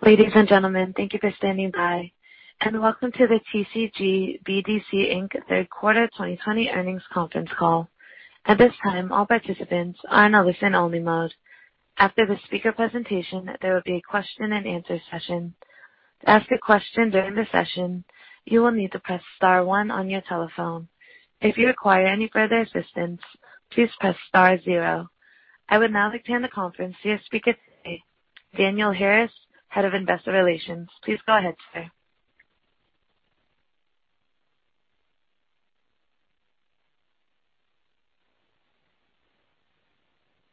Ladies and gentlemen, thank you for standing by, and welcome to the TCG BDC, Inc. third quarter 2020 earnings conference call. At this time, all participants are in a listen-only mode. After the speaker presentation, there will be a question and answer session. I would now like to hand the conference to your speaker today, Daniel Harris, Head of Investor Relations. Please go ahead, sir.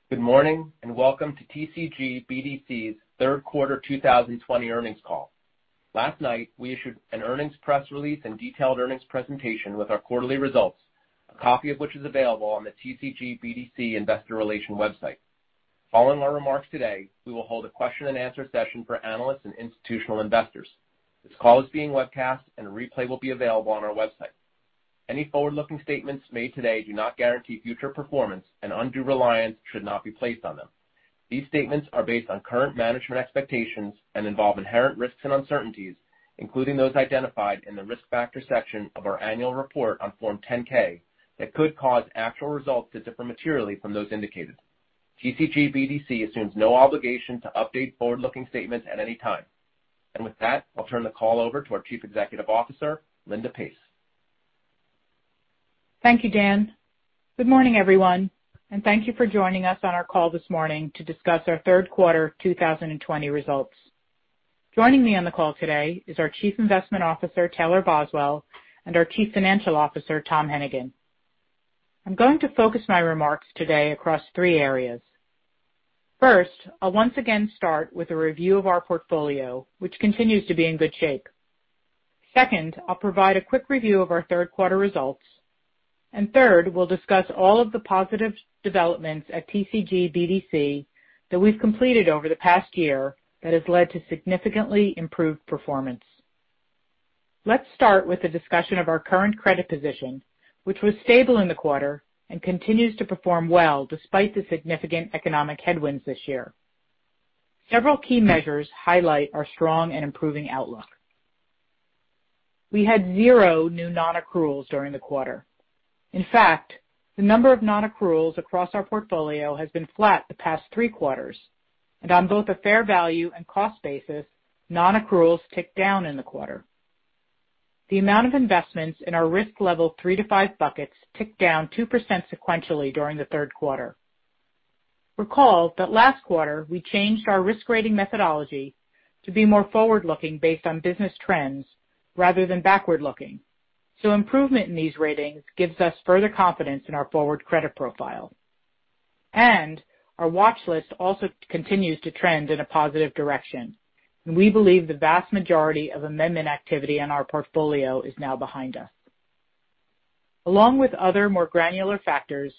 Good morning, and welcome to TCG BDC's third quarter 2020 earnings call. Last night, we issued an earnings press release and detailed earnings presentation with our quarterly results, a copy of which is available on the TCG BDC investor relation website. Following our remarks today, we will hold a question and answer session for analysts and institutional investors. This call is being webcast, and a replay will be available on our website. Any forward-looking statements made today do not guarantee future performance, and undue reliance should not be placed on them. These statements are based on current management expectations and involve inherent risks and uncertainties, including those identified in the risk factor section of our annual report on Form 10-K, that could cause actual results to differ materially from those indicated. TCG BDC assumes no obligation to update forward-looking statements at any time. With that, I'll turn the call over to our Chief Executive Officer, Linda Pace. Thank you, Dan. Good morning, everyone. Thank you for joining us on our call this morning to discuss our third quarter 2020 results. Joining me on the call today is our Chief Investment Officer, Taylor Boswell, and our Chief Financial Officer, Tom Hennigan. I'm going to focus my remarks today across three areas. First, I'll once again start with a review of our portfolio, which continues to be in good shape. Second, I'll provide a quick review of our third quarter results. Third, we'll discuss all of the positive developments at TCG BDC that we've completed over the past year that has led to significantly improved performance. Let's start with a discussion of our current credit position, which was stable in the quarter and continues to perform well despite the significant economic headwinds this year. Several key measures highlight our strong and improving outlook. We had zero new non-accruals during the quarter. In fact, the number of non-accruals across our portfolio has been flat the past three quarters. On both a fair value and cost basis, non-accruals ticked down in the quarter. The amount of investments in our risk level three to five buckets ticked down 2% sequentially during the third quarter. Recall that last quarter we changed our risk rating methodology to be more forward-looking based on business trends rather than backward-looking. Improvement in these ratings gives us further confidence in our forward credit profile. Our watch list also continues to trend in a positive direction, and we believe the vast majority of amendment activity in our portfolio is now behind us. Along with other, more granular factors,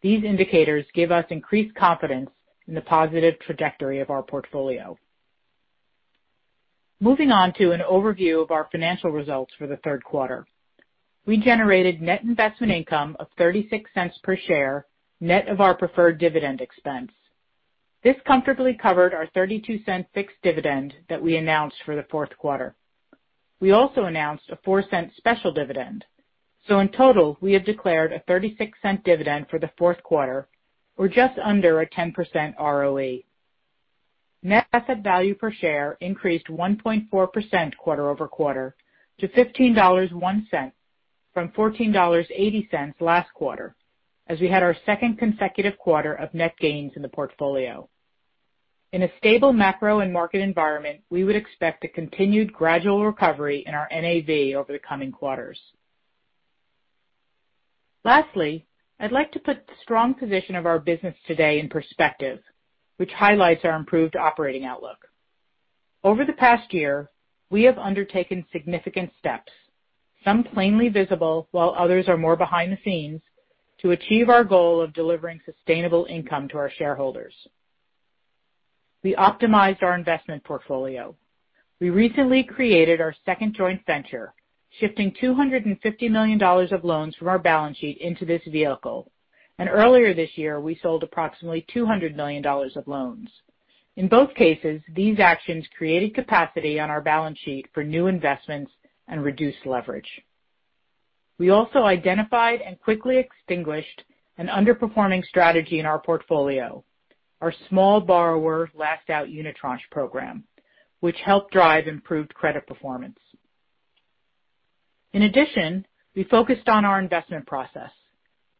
these indicators give us increased confidence in the positive trajectory of our portfolio. Moving on to an overview of our financial results for the third quarter. We generated net investment income of $0.36 per share, net of our preferred dividend expense. This comfortably covered our $0.32 fixed dividend that we announced for the fourth quarter. We also announced a $0.04 special dividend, so in total, we have declared a $0.36 dividend for the fourth quarter or just under a 10% ROE. Net asset value per share increased 1.4% quarter-over-quarter to $15.01 from $14.80 last quarter as we had our second consecutive quarter of net gains in the portfolio. In a stable macro and market environment, we would expect a continued gradual recovery in our NAV over the coming quarters. Lastly, I'd like to put the strong position of our business today in perspective, which highlights our improved operating outlook. Over the past year, we have undertaken significant steps, some plainly visible, while others are more behind the scenes to achieve our goal of delivering sustainable income to our shareholders. We optimized our investment portfolio. We recently created our second joint venture, shifting $250 million of loans from our balance sheet into this vehicle. Earlier this year, we sold approximately $200 million of loans. In both cases, these actions created capacity on our balance sheet for new investments and reduced leverage. We also identified and quickly extinguished an underperforming strategy in our portfolio, our small borrower last out unitranche program, which helped drive improved credit performance. In addition, we focused on our investment process.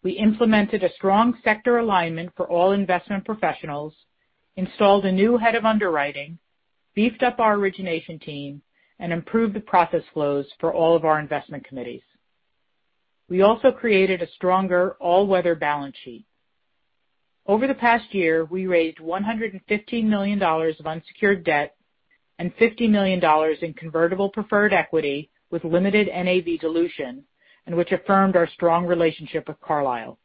We implemented a strong sector alignment for all investment professionals, installed a new head of underwriting, beefed up our origination team, and improved the process flows for all of our investment committees. We also created a stronger all-weather balance sheet. Over the past year, we raised $115 million of unsecured debt and $50 million in convertible preferred equity with limited NAV dilution and which affirmed our strong relationship with Carlyle.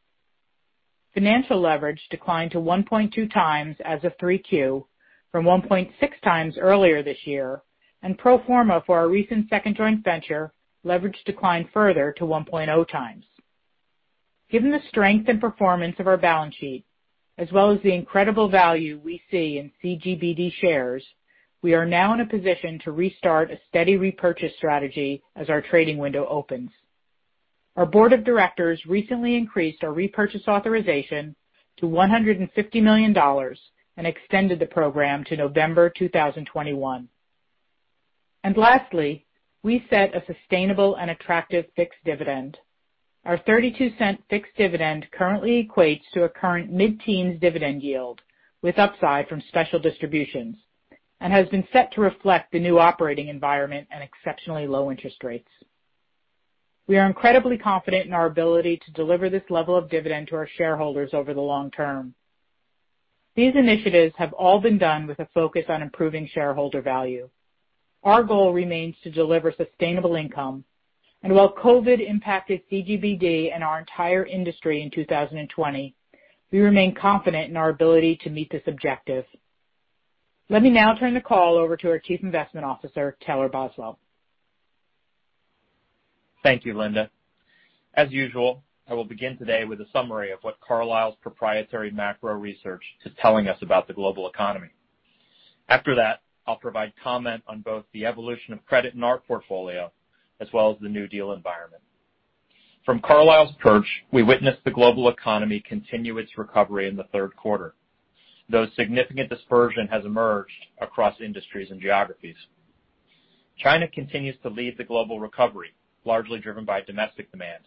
Financial leverage declined to 1.2x as of 3Q from 1.6x earlier this year, and pro forma for our recent second joint venture leverage declined further to 1.0x. Given the strength and performance of our balance sheet, as well as the incredible value we see in CGBD shares, we are now in a position to restart a steady repurchase strategy as our trading window opens. Our board of directors recently increased our repurchase authorization to $150 million and extended the program to November 2021. Lastly, we set a sustainable and attractive fixed dividend. Our $0.32 fixed dividend currently equates to a current mid-teens dividend yield, with upside from special distributions, and has been set to reflect the new operating environment and exceptionally low interest rates. We are incredibly confident in our ability to deliver this level of dividend to our shareholders over the long term. These initiatives have all been done with a focus on improving shareholder value. Our goal remains to deliver sustainable income, and while COVID impacted CGBD and our entire industry in 2020, we remain confident in our ability to meet this objective. Let me now turn the call over to our Chief Investment Officer, Taylor Boswell. Thank you, Linda. As usual, I will begin today with a summary of what Carlyle's proprietary macro research is telling us about the global economy. After that, I'll provide comment on both the evolution of credit in our portfolio, as well as the new deal environment. From Carlyle's perch, we witnessed the global economy continue its recovery in the third quarter, though significant dispersion has emerged across industries and geographies. China continues to lead the global recovery, largely driven by domestic demand.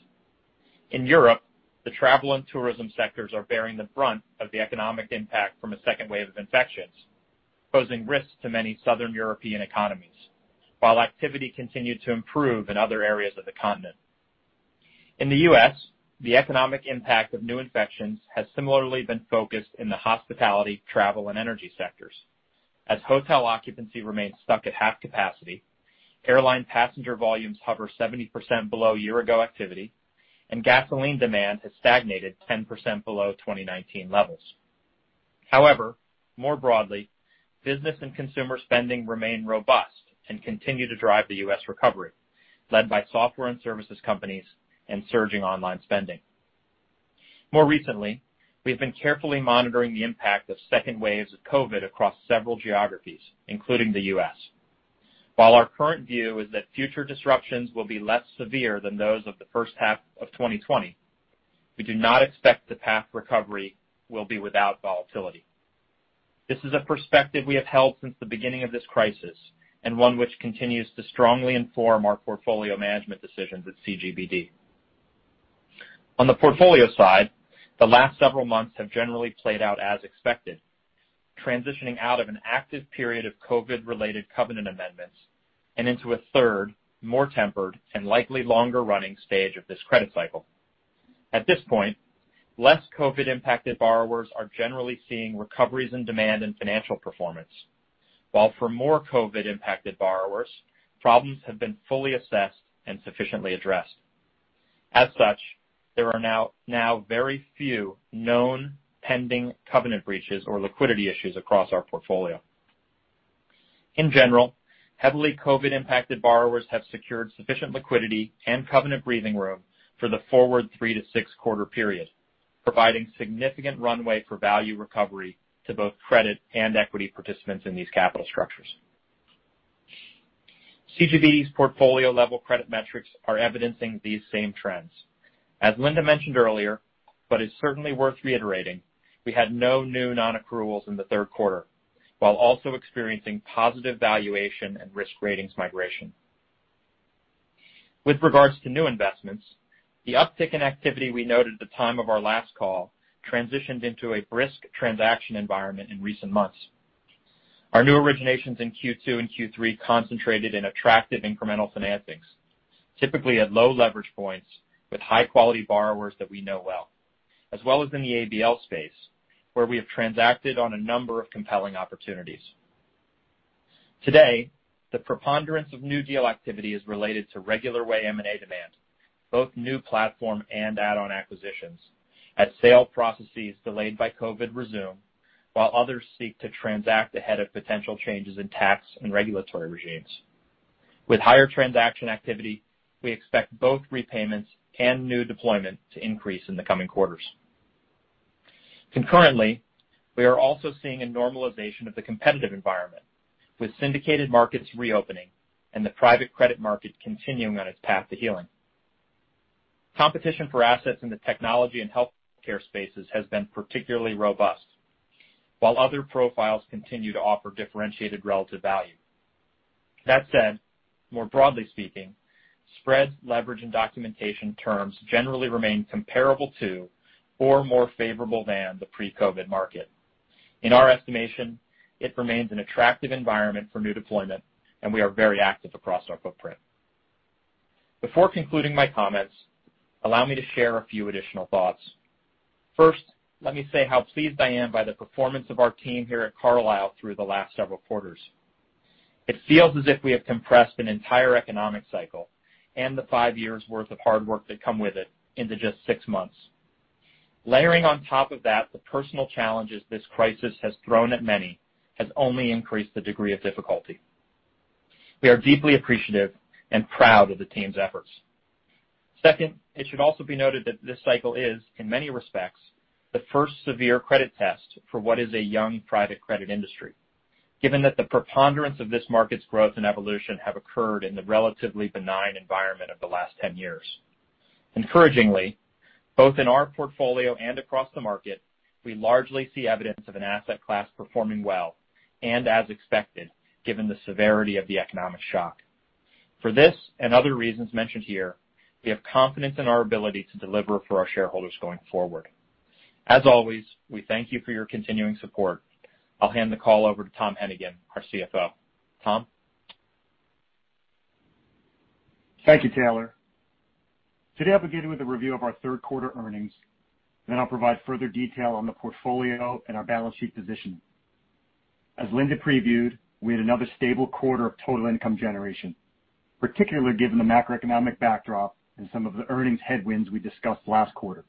In Europe, the travel and tourism sectors are bearing the brunt of the economic impact from a second wave of infections, posing risks to many southern European economies, while activity continued to improve in other areas of the continent. In the U.S., the economic impact of new infections has similarly been focused in the hospitality, travel, and energy sectors, as hotel occupancy remains stuck at half capacity, airline passenger volumes hover 70% below year-ago activity, and gasoline demand has stagnated 10% below 2019 levels. However, more broadly, business and consumer spending remain robust and continue to drive the U.S. recovery, led by software and services companies and surging online spending. More recently, we've been carefully monitoring the impact of second waves of COVID across several geographies, including the U.S. While our current view is that future disruptions will be less severe than those of the first half of 2020, we do not expect the path to recovery will be without volatility. This is a perspective we have held since the beginning of this crisis, and one which continues to strongly inform our portfolio management decisions at CGBD. On the portfolio side, the last several months have generally played out as expected, transitioning out of an active period of COVID-related covenant amendments and into a third, more tempered, and likely longer-running stage of this credit cycle. At this point, less COVID-impacted borrowers are generally seeing recoveries in demand and financial performance, while for more COVID-impacted borrowers, problems have been fully assessed and sufficiently addressed. As such, there are now very few known pending covenant breaches or liquidity issues across our portfolio. In general, heavily COVID-impacted borrowers have secured sufficient liquidity and covenant breathing room for the forward three to six quarter period, providing significant runway for value recovery to both credit and equity participants in these capital structures. CGBD's portfolio-level credit metrics are evidencing these same trends. As Linda mentioned earlier, but is certainly worth reiterating, we had no new non-accruals in the third quarter, while also experiencing positive valuation and risk ratings migration. With regards to new investments, the uptick in activity we noted at the time of our last call transitioned into a brisk transaction environment in recent months. Our new originations in Q2 and Q3 concentrated in attractive incremental financings, typically at low leverage points with high-quality borrowers that we know well, as well as in the ABL space, where we have transacted on a number of compelling opportunities. The preponderance of new deal activity is related to regular way M&A demand, both new platform and add-on acquisitions, as sale processes delayed by COVID resume while others seek to transact ahead of potential changes in tax and regulatory regimes. With higher transaction activity, we expect both repayments and new deployment to increase in the coming quarters. Concurrently, we are also seeing a normalization of the competitive environment, with syndicated markets reopening and the private credit market continuing on its path to healing. Competition for assets in the technology and healthcare spaces has been particularly robust, while other profiles continue to offer differentiated relative value. That said, more broadly speaking, spread leverage and documentation terms generally remain comparable to, or more favorable than, the pre-COVID market. In our estimation, it remains an attractive environment for new deployment, and we are very active across our footprint. Before concluding my comments, allow me to share a few additional thoughts. First, let me say how pleased I am by the performance of our team here at Carlyle through the last several quarters. It feels as if we have compressed an entire economic cycle and the five years worth of hard work that come with it into just six months. Layering on top of that the personal challenges this crisis has thrown at many has only increased the degree of difficulty. We are deeply appreciative and proud of the team's efforts. Second, it should also be noted that this cycle is, in many respects, the first severe credit test for what is a young private credit industry, given that the preponderance of this market's growth and evolution have occurred in the relatively benign environment of the last 10 years. Encouragingly, both in our portfolio and across the market, we largely see evidence of an asset class performing well and as expected, given the severity of the economic shock. For this and other reasons mentioned here, we have confidence in our ability to deliver for our shareholders going forward. As always, we thank you for your continuing support. I'll hand the call over to Tom Hennigan, our CFO. Tom? Thank you, Taylor. Today, I'll begin with a review of our third quarter earnings. I'll provide further detail on the portfolio and our balance sheet position. As Linda previewed, we had another stable quarter of total income generation, particularly given the macroeconomic backdrop and some of the earnings headwinds we discussed last quarter.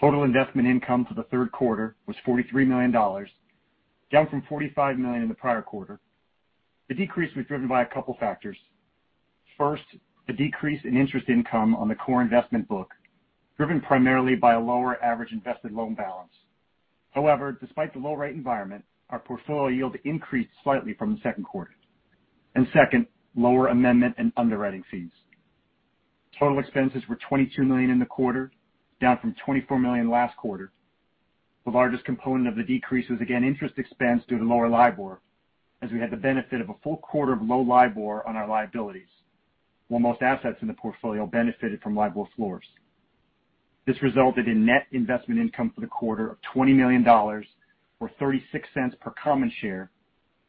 Total investment income for the third quarter was $43 million, down from $45 million in the prior quarter. The decrease was driven by a couple factors. First, the decrease in interest income on the core investment book, driven primarily by a lower average invested loan balance. However, despite the low rate environment, our portfolio yield increased slightly from the second quarter. Second, lower amendment and underwriting fees. Total expenses were $22 million in the quarter, down from $24 million last quarter. The largest component of the decrease was, again, interest expense due to lower LIBOR, as we had the benefit of a full quarter of low LIBOR on our liabilities, while most assets in the portfolio benefited from LIBOR floors. This resulted in net investment income for the quarter of $20 million, or $0.36 per common share,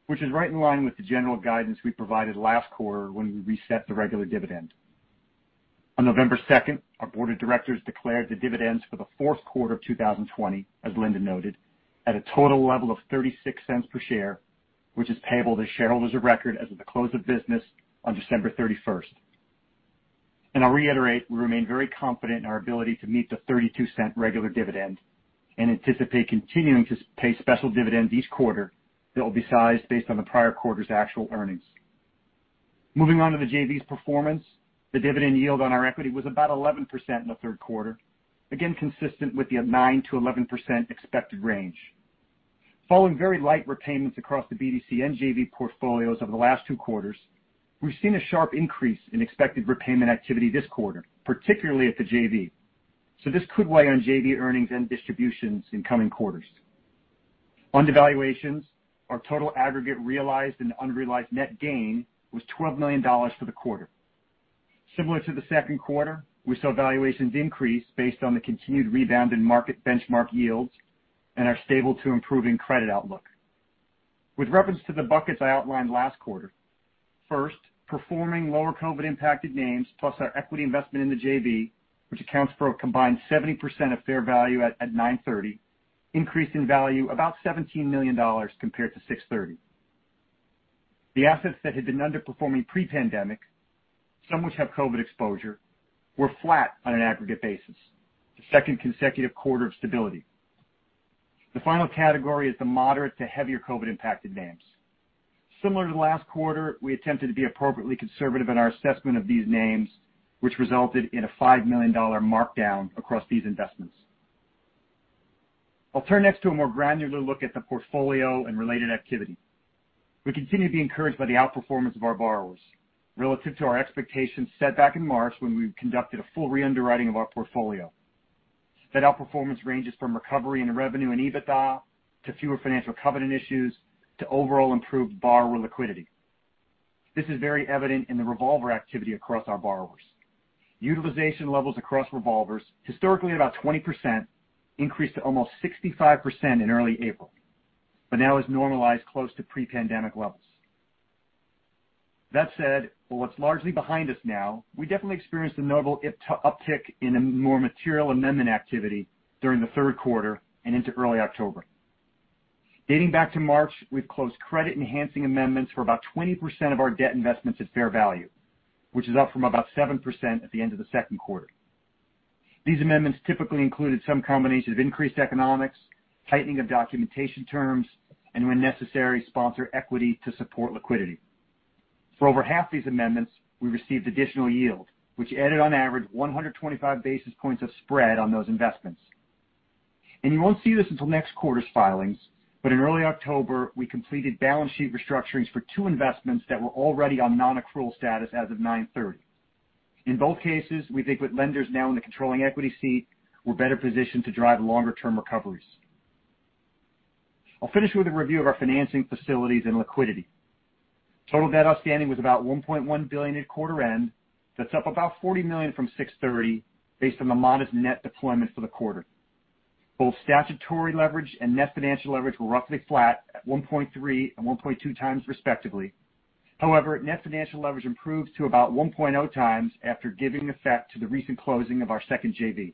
which is right in line with the general guidance we provided last quarter when we reset the regular dividend. On November 2nd, our board of directors declared the dividends for the fourth quarter of 2020, as Linda noted, at a total level of $0.36 per share, which is payable to shareholders of record as of the close of business on December 31st. I'll reiterate, we remain very confident in our ability to meet the $0.32 regular dividend and anticipate continuing to pay special dividends each quarter that will be sized based on the prior quarter's actual earnings. Moving on to the JV's performance. The dividend yield on our equity was about 11% in the third quarter, again, consistent with the 9%-11% expected range. Following very light repayments across the BDC and JV portfolios over the last two quarters, we've seen a sharp increase in expected repayment activity this quarter, particularly at the JV. This could weigh on JV earnings and distributions in coming quarters. On the evaluations, our total aggregate realized and unrealized net gain was $12 million for the quarter. Similar to the second quarter, we saw valuations increase based on the continued rebound in market benchmark yields and our stable to improving credit outlook. With reference to the buckets I outlined last quarter, first, performing lower COVID-impacted names, plus our equity investment in the JV, which accounts for a combined 70% of fair value at 930, increased in value about $17 million compared to 630. The assets that had been underperforming pre-pandemic, some which have COVID exposure, were flat on an aggregate basis, the second consecutive quarter of stability. The final category is the moderate to heavier COVID-impacted names. Similar to last quarter, we attempted to be appropriately conservative in our assessment of these names, which resulted in a $5 million markdown across these investments. I'll turn next to a more granular look at the portfolio and related activity. We continue to be encouraged by the outperformance of our borrowers relative to our expectations set back in March when we conducted a full re-underwriting of our portfolio. That outperformance ranges from recovery in revenue and EBITDA to fewer financial covenant issues to overall improved borrower liquidity. This is very evident in the revolver activity across our borrowers. Utilization levels across revolvers, historically about 20%, increased to almost 65% in early April, but now has normalized close to pre-pandemic levels. That said, while it's largely behind us now, we definitely experienced a notable uptick in a more material amendment activity during the third quarter and into early October. Dating back to March, we've closed credit-enhancing amendments for about 20% of our debt investments at fair value, which is up from about 7% at the end of the second quarter. These amendments typically included some combination of increased economics, tightening of documentation terms, and when necessary, sponsor equity to support liquidity. For over half these amendments, we received additional yield, which added on average 125 basis points of spread on those investments. You won't see this until next quarter's filings, but in early October, we completed balance sheet restructurings for two investments that were already on non-accrual status as of 9/30. In both cases, we think with lenders now in the controlling equity seat, we're better positioned to drive longer-term recoveries. I'll finish with a review of our financing facilities and liquidity. Total debt outstanding was about $1.1 billion at quarter end. That's up about $40 million from 6/30 based on the modest net deployment for the quarter. Both statutory leverage and net financial leverage were roughly flat at 1.3 and 1.2x respectively. However, net financial leverage improved to about 1.0x after giving effect to the recent closing of our second JV.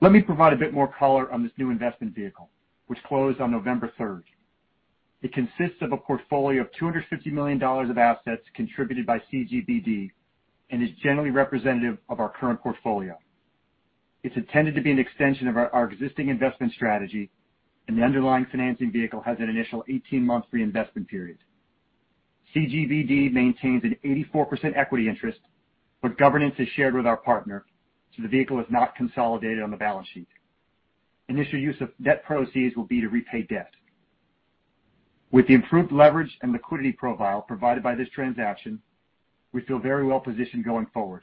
Let me provide a bit more color on this new investment vehicle, which closed on November 3rd. It consists of a portfolio of $250 million of assets contributed by CGBD and is generally representative of our current portfolio. It's intended to be an extension of our existing investment strategy, and the underlying financing vehicle has an initial 18-month reinvestment period. CGBD maintains an 84% equity interest, but governance is shared with our partner, so the vehicle is not consolidated on the balance sheet. Initial use of net proceeds will be to repay debt. With the improved leverage and liquidity profile provided by this transaction, we feel very well positioned going forward,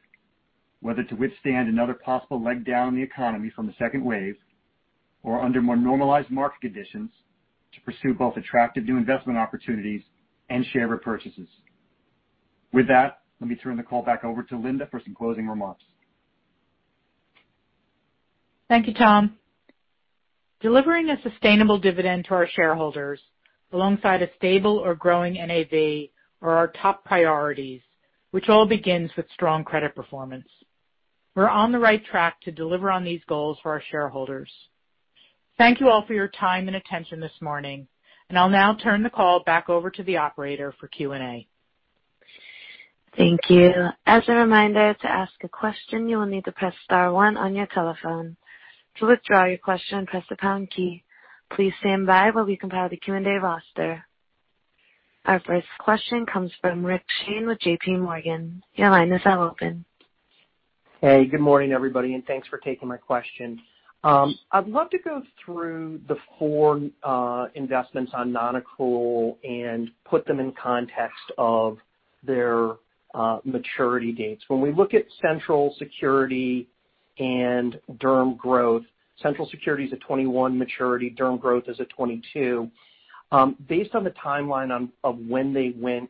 whether to withstand another possible leg down the economy from a second wave or under more normalized market conditions to pursue both attractive new investment opportunities and share repurchases. With that, let me turn the call back over to Linda for some closing remarks. Thank you, Tom. Delivering a sustainable dividend to our shareholders alongside a stable or growing NAV are our top priorities, which all begins with strong credit performance. We're on the right track to deliver on these goals for our shareholders. Thank you all for your time and attention this morning, and I'll now turn the call back over to the operator for Q&A. Thank you. As a reminder, to ask a question, you will need to press star one on your telephone. To withdraw your question, press the pound key. Our first question comes from Richard Shane with JPMorgan. Your line is now open. Hey, good morning, everybody, and thanks for taking my question. I'd love to go through the four investments on non-accrual and put them in context of their maturity dates. When we look at Central Security and Derm Growth, Central Security is a 2021 maturity, Derm Growth is a 2022. Based on the timeline of when they went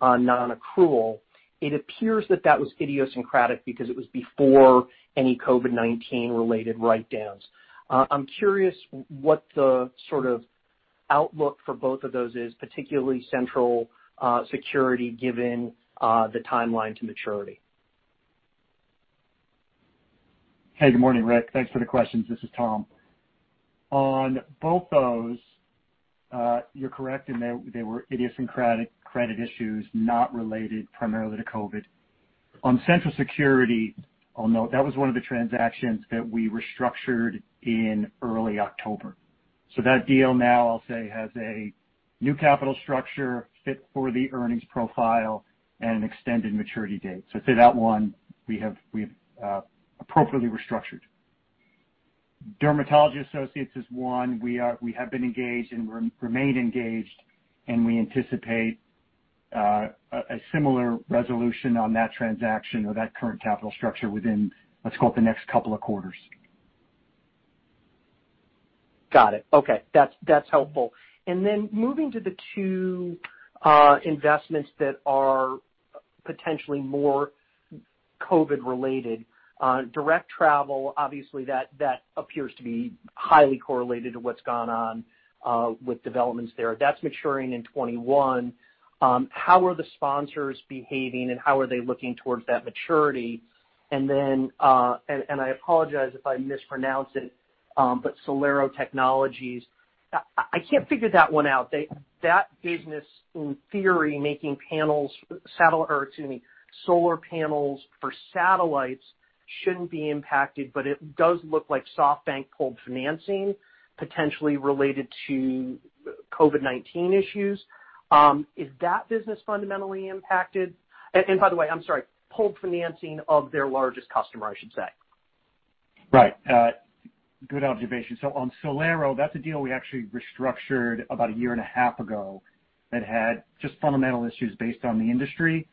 on non-accrual, it appears that that was idiosyncratic because it was before any COVID-19 related write-downs. I'm curious what the sort of outlook for both of those is, particularly Central Security, given the timeline to maturity. Hey, good morning, Rick. Thanks for the questions. This is Tom. On both those, you're correct in they were idiosyncratic credit issues, not related primarily to COVID. On Central Security, I'll note that was one of the transactions that we restructured in early October. That deal now I'll say has a new capital structure fit for the earnings profile and an extended maturity date. I'd say that one we have appropriately restructured. Dermatology Associates is one. We have been engaged, and we remain engaged, and we anticipate a similar resolution on that transaction or that current capital structure within, let's call it, the next couple of quarters. Got it. Okay. That's helpful. Moving to the two investments that are potentially more COVID related. Direct Travel, obviously that appears to be highly correlated to what's gone on with developments there. That's maturing in 2021. How are the sponsors behaving, and how are they looking towards that maturity? I apologize if I mispronounce it, SolAero Technologies, I can't figure that one out. That business, in theory, making solar panels for satellites shouldn't be impacted, it does look like SoftBank pulled financing, potentially related to COVID issues. By the way, I'm sorry, pulled financing of their largest customer, I should say. Right. Good observation. On SolAero, that's a deal we actually restructured about a year and a half ago that had just fundamental issues based on the industry.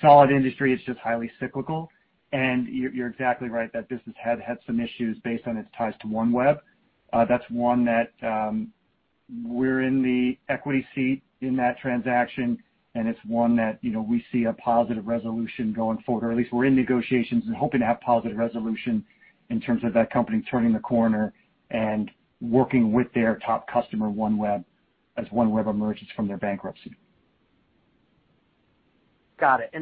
Solid industry is just highly cyclical. You're exactly right. That business had some issues based on its ties to OneWeb. That's one that we're in the equity seat in that transaction, and it's one that we see a positive resolution going forward, or at least we're in negotiations and hoping to have positive resolution in terms of that company turning the corner and working with their top customer, OneWeb, as OneWeb emerges from their bankruptcy. Got it.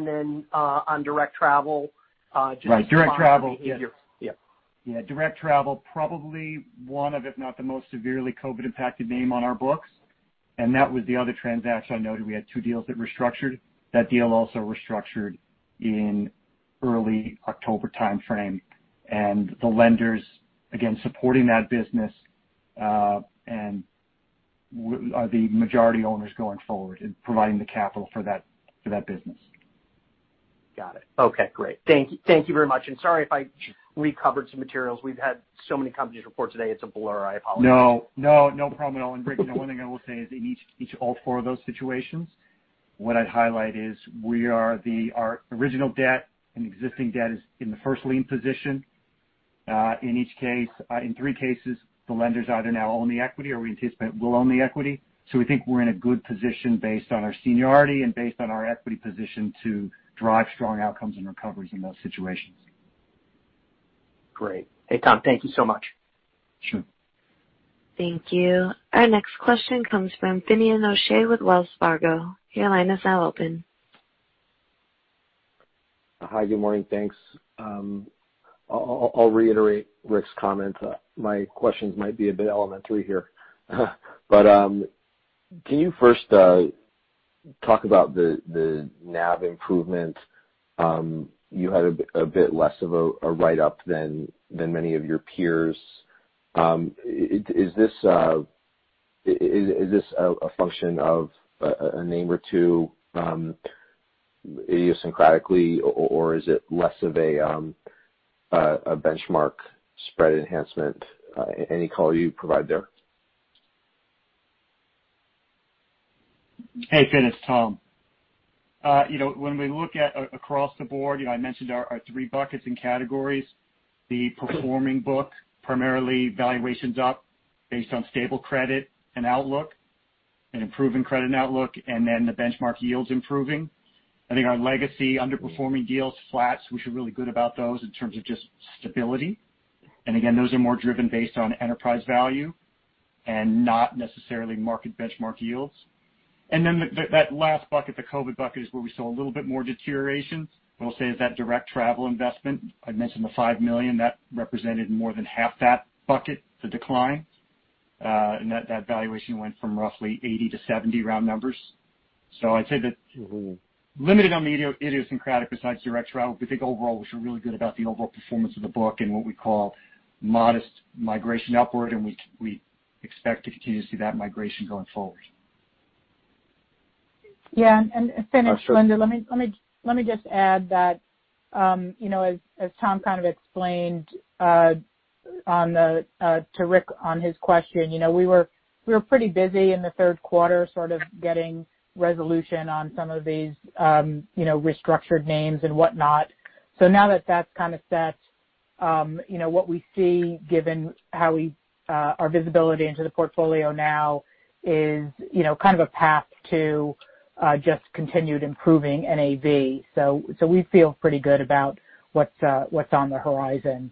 On Direct Travel- Right. Direct Travel- -just the sponsor behavior. Yeah. - yeah, Direct Travel, probably one of, if not the most severely COVID impacted name on our books. That was the other transaction. I noted we had two deals that restructured. That deal also restructured in early October timeframe. The lenders, again, supporting that business, and are the majority owners going forward in providing the capital for that business. Got it. Okay, great. Thank you very much. Sorry if I recovered some materials. We've had so many companies report today, it's a blur. I apologize. No. No problem at all. Rick, the one thing I will say is in all four of those situations, what I'd highlight is our original debt and existing debt is in the first lien position. In three cases, the lenders either now own the equity or we anticipate will own the equity. We think we're in a good position based on our seniority and based on our equity position to drive strong outcomes and recoveries in those situations. Great. Hey, Tom, thank you so much. Sure. Thank you. Our next question comes from Finian O'Shea with Wells Fargo. Your line is now open. Hi, good morning. Thanks. I'll reiterate Rick's comment. My questions might be a bit elementary here. Can you first talk about the NAV improvement? You had a bit less of a write-up than many of your peers. Is this a function of a name or two idiosyncratically, or is it less of a benchmark spread enhancement? Any color you provide there. Hey, Fin, it's Tom. We look at across the board, I mentioned our three buckets and categories. The performing book, primarily valuations up based on stable credit and outlook, an improving credit outlook, the benchmark yields improving. I think our legacy underperforming deals flats, we feel really good about those in terms of just stability. Again, those are more driven based on enterprise value and not necessarily market benchmark yields. Then that last bucket, the COVID bucket, is where we saw a little bit more deterioration. I will say is that Direct Travel investment, I mentioned the $5 million, that represented more than half that bucket, the decline. That valuation went from roughly 80-70 round numbers. I'd say that limited on the idiosyncratic besides Direct Travel, we think overall, we feel really good about the overall performance of the book and what we call modest migration upward, and we expect to continue to see that migration going forward. Fin, it's Linda. Let me just add that as Tom kind of explained to Rick on his question. We were pretty busy in the third quarter sort of getting resolution on some of these restructured names and whatnot. Now that that's kind of set, what we see given our visibility into the portfolio now is kind of a path to just continued improving NAV. We feel pretty good about what's on the horizon.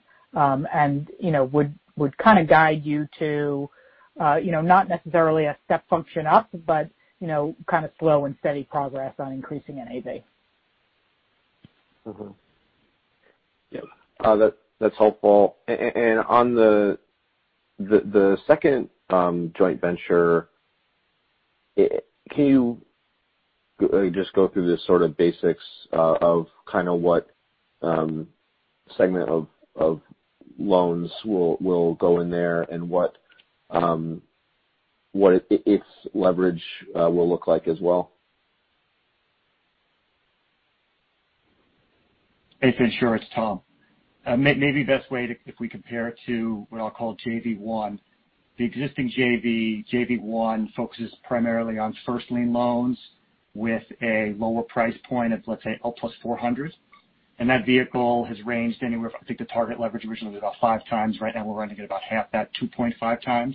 Would kind of guide you to not necessarily a step function up, but kind of slow and steady progress on increasing NAV. Yep. That's helpful. On the second joint venture, can you just go through the sort of basics of kind of what segment of loans will go in there, and what its leverage will look like as well? Hey, Fin, sure. It's Tom. Maybe best way if we compare it to what I'll call JV one. The existing JV one, focuses primarily on first-lien loans with a lower price point of, let's say, L+400. That vehicle has ranged anywhere from, I think, the target leverage originally was about 5x. Right now we're running at about half that, 2.5x.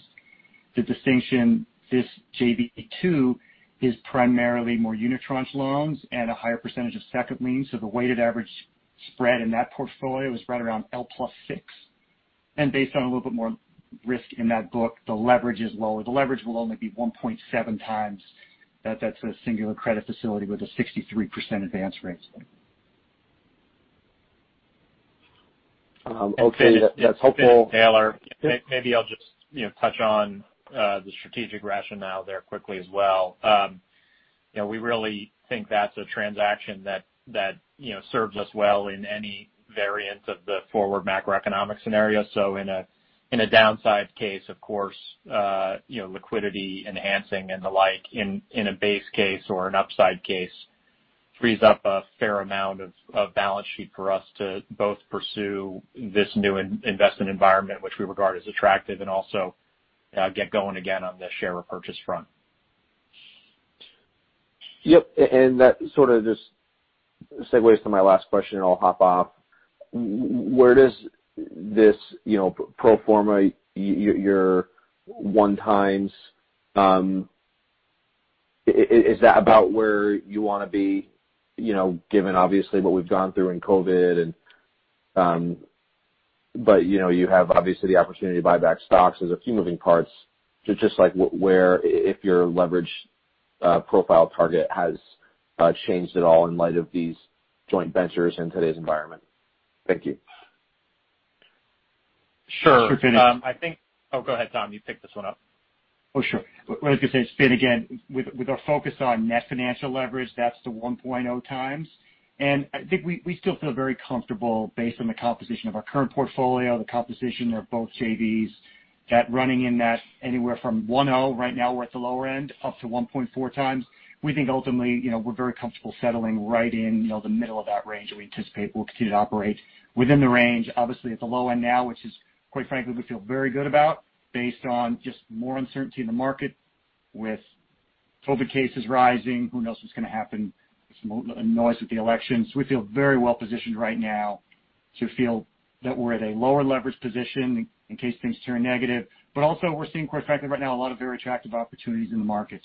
The distinction, this JV two is primarily more unitranche loans and a higher percentage of second lien. The weighted average spread in that portfolio is right around L+600. Based on a little bit more risk in that book, the leverage is lower. The leverage will only be 1.7x. That's a singular credit facility with a 63% advance rate. Okay. That's helpful. Taylor. Maybe I'll just touch on the strategic rationale there quickly as well. We really think that's a transaction that serves us well in any variant of the forward macroeconomic scenario. In a downside case, of course, liquidity enhancing and the like in a base case or an upside case frees up a fair amount of balance sheet for us to both pursue this new investment environment which we regard as attractive, and also get going again on the share repurchase front. Yep. That sort of just segues to my last question, and I'll hop off. Where does this pro forma, your one times, is that about where you want to be given obviously what we've gone through in COVID? You have obviously the opportunity to buy back stocks. There's a few moving parts to just like where if your leverage profile target has changed at all in light of these joint ventures in today's environment. Thank you. Sure. Sure, Finian. Oh, go ahead, Tom, you pick this one up. Oh, sure. I was going to say, Fin, again, with our focus on net financial leverage, that's the 1.0x. I think we still feel very comfortable based on the composition of our current portfolio, the composition of both JVs, that running in that anywhere from 1.0, right now we're at the lower end, up to 1.4x. We think ultimately we're very comfortable settling right in the middle of that range, and we anticipate we'll continue to operate within the range. Obviously at the low end now, which is quite frankly, we feel very good about based on just more uncertainty in the market with COVID cases rising. Who knows what's going to happen? Some noise at the election. We feel very well positioned right now to feel that we're at a lower leverage position in case things turn negative. Also we're seeing, quite frankly, right now a lot of very attractive opportunities in the market.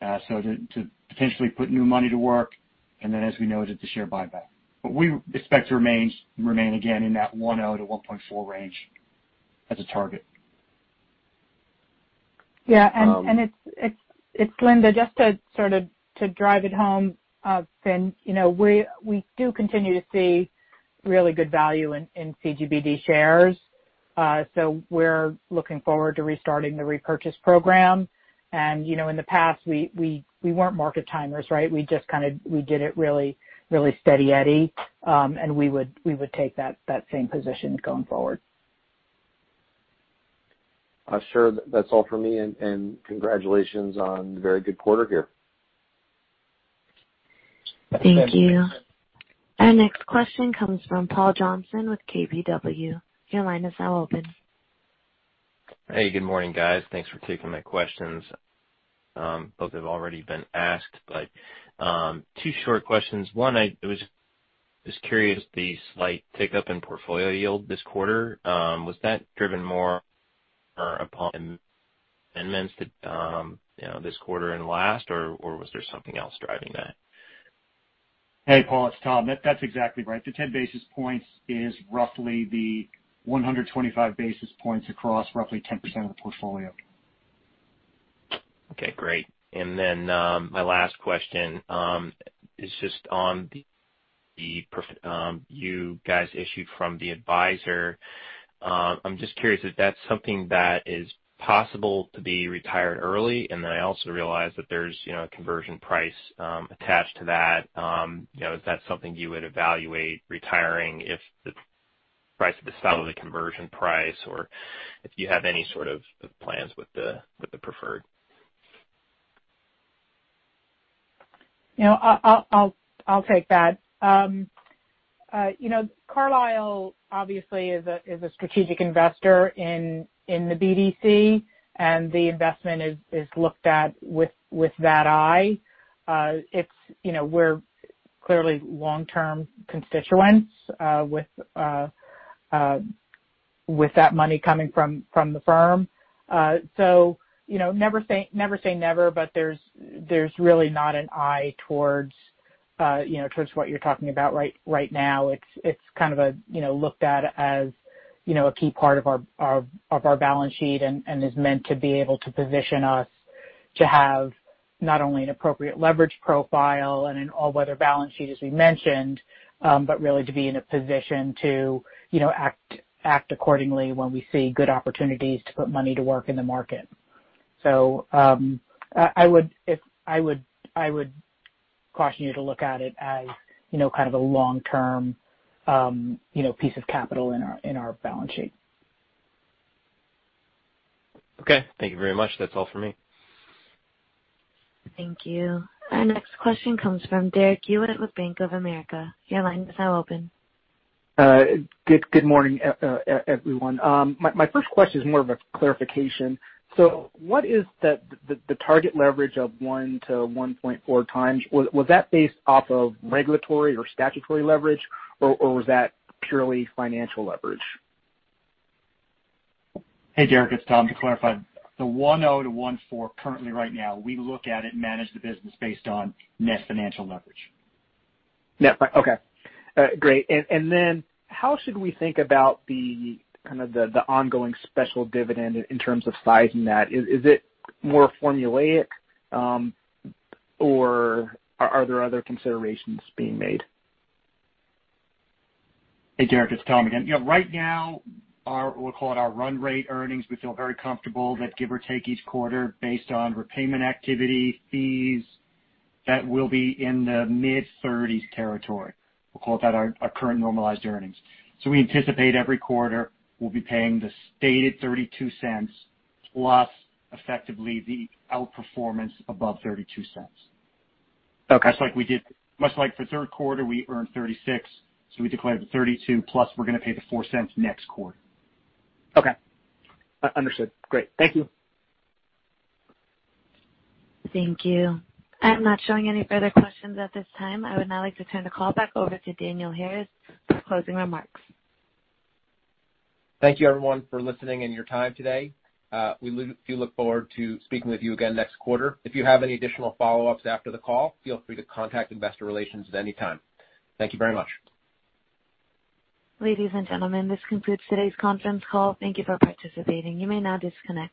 To potentially put new money to work, and then as we noted, the share buyback. We expect to remain again in that 1.0-1.4 range as a target. Yeah. It's Linda. Just to sort of to drive it home, Fin, we do continue to see really good value in CGBD shares. We're looking forward to restarting the repurchase program. In the past, we weren't market timers, right? We did it really steady Eddie. We would take that same position going forward. Sure. That's all for me, and congratulations on a very good quarter here. Thank you. Our next question comes from Paul Johnson with KBW. Your line is now open. Hey, good morning, guys. Thanks for taking my questions. Both have already been asked, two short questions. One, I was just curious, the slight tick-up in portfolio yield this quarter, was that driven more upon amendments to this quarter and last, or was there something else driving that? Hey, Paul, it's Tom. That's exactly right. The 10 basis points is roughly the 125 basis points across roughly 10% of the portfolio. Okay, great. My last question is just on you guys issued from the advisor. I'm just curious if that's something that is possible to be retired early, and then I also realize that there's a conversion price attached to that. Is that something you would evaluate retiring if the price of the stock or the conversion price, or if you have any sort of plans with the preferred? I'll take that. Carlyle obviously is a strategic investor in the BDC, and the investment is looked at with that eye. We're clearly long-term constituents with that money coming from the firm. Never say never, but there's really not an eye towards what you're talking about right now. It's kind of looked at as a key part of our balance sheet and is meant to be able to position us to have not only an appropriate leverage profile and an all-weather balance sheet, as we mentioned, but really to be in a position to act accordingly when we see good opportunities to put money to work in the market. I would caution you to look at it as kind of a long-term piece of capital in our balance sheet. Okay. Thank you very much. That's all for me. Thank you. Our next question comes from Derek Hewett with Bank of America. Good morning, everyone. My first question is more of a clarification. What is the target leverage of 1-1.4x? Was that based off of regulatory or statutory leverage, or was that purely financial leverage? Hey, Derek, it's Tom. To clarify, the 1-1.4, currently right now, we look at it and manage the business based on net financial leverage. Net. Okay. Great. How should we think about the kind of the ongoing special dividend in terms of sizing that? Is it more formulaic, or are there other considerations being made? Hey, Derek, it's Tom again. Right now, we'll call it our run rate earnings. We feel very comfortable that give or take each quarter based on repayment activity, fees, that we'll be in the mid-30s territory. We'll call that our current normalized earnings. We anticipate every quarter we'll be paying the stated $0.32 plus effectively the outperformance above $0.32. Okay. Much like for the third quarter, we earned $0.36, so we declared the $0.32, plus we're going to pay the $0.04 next quarter. Okay. Understood. Great. Thank you. Thank you. I am not showing any further questions at this time. I would now like to turn the call back over to Daniel Harris for closing remarks. Thank you, everyone, for listening and your time today. We do look forward to speaking with you again next quarter. If you have any additional follow-ups after the call, feel free to contact investor relations at any time. Thank you very much. Ladies and gentlemen, this concludes today's conference call. Thank you for participating. You may now disconnect.